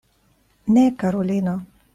Ne, karulino.